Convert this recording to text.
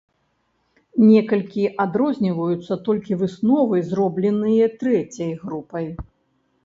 Некалькі адрозніваюцца толькі высновы, зробленыя трэцяй групай.